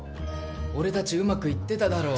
俺たちうまくいってただろ。